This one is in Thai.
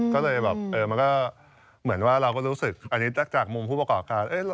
ก็เลยเหมือนเราก็รู้สึกอันนี้จากมุมผู้ประกอบกราช